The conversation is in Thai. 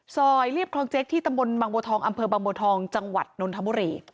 ซอยเรียบคอลเจคที่ตำบลบางบทองอำเภอบางบทองจนทม